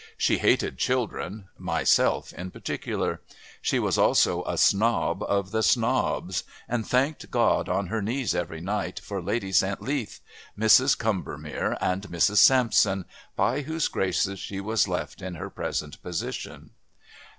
She hated children, myself in particular. She was also a Snob of the Snobs, and thanked God on her knees every night for Lady St. Leath, Mrs. Combermere and Mrs. Sampson, by whose graces she was left in her present position.